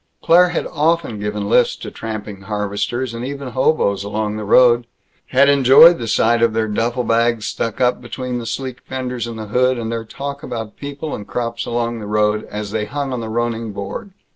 Claire had often given lifts to tramping harvesters and even hoboes along the road; had enjoyed the sight of their duffle bags stuck up between the sleek fenders and the hood, and their talk about people and crops along the road, as they hung on the running board.